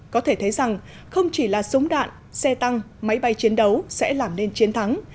có thể thấy rằng không chỉ là súng đạn xe tăng máy bay chiến đấu sẽ làm nên chiến thắng